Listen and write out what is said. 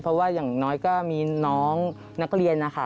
เพราะว่าอย่างน้อยก็มีน้องนักเรียนนะคะ